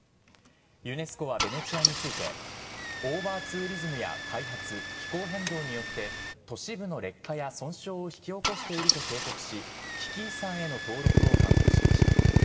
ユネスコはベネチアについて、オーバーツーリズムや開発、気候変動によって都市部の劣化や損傷を引き起こしていると警告し、危機遺産への登録を勧告しました。